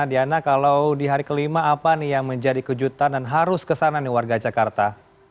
diana kalau di hari kelima apa nih yang menjadi kejutan dan harus kesana nih warga jakarta